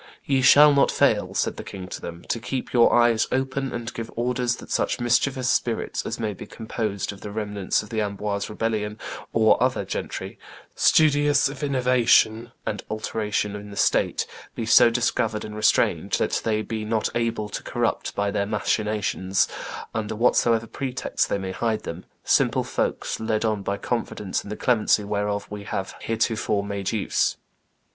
"Ye shall not fail," said the king to them, "to keep your eyes open, and give orders that such mischievous spirits as may be composed of the remnants of the Amboise rebellion or other gentry, studious of innovation and alteration in the state, be so discovered and restrained that they be not able to corrupt by their machinations, under whatsoever pretexts they may hide them, simple folks led on by confidence in the clemency whereof we have heretofore made use."